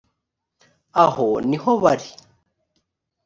aho ni ho bari